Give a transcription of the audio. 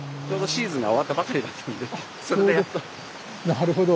なるほど。